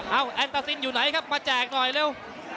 เอาแอนตาซินอยู่ไหนครับมาแจกหน่อยเร็ว